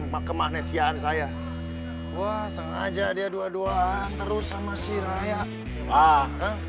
mah kemahnesiaan saya wah sengaja dia dua duaan terus sama si raya ah